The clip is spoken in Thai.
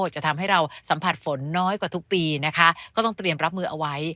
จะทำให้เราสัมผัสฝนน้อยกว่าทุกปีนะคะก็ต้องเตรียมรับมือเอาไว้